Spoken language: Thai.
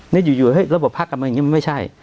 นี่อยู่ระบบภักดิ์การเมืองไม่ใช่